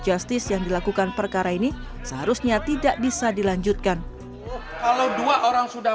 justice yang dilakukan perkara ini seharusnya tidak bisa dilanjutkan kalau dua orang sudah